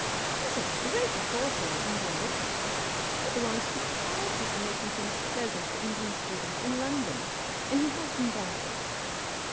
"He's a great authority on Indian literature, he belongs to a society for making things pleasant for Indian students in London, and he has them down."